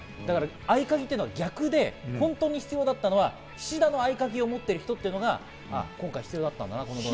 合鍵は逆で、本当に必要だったのは菱田の合鍵を持ってる人、というのが今回必要だったと思った。